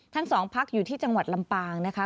ทั้งสองพักอยู่ที่จังหวัดลำปางนะคะ